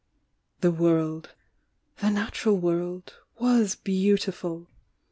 The world,— the natural world — was beautiful!